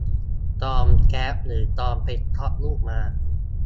ตอนแคปหรือตอนไปก๊อปรูปมา